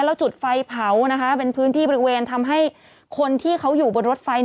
แล้วจุดไฟเผานะคะเป็นพื้นที่บริเวณทำให้คนที่เขาอยู่บนรถไฟ